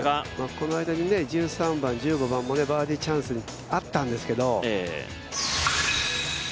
この間に１３番、１５番もバーディーチャンスがあったんですけど。